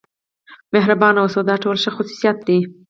مهربان اوسه دا ټول ښه خصوصیات دي.